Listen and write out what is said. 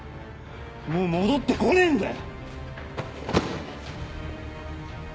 もう戻って来ねえんだよ。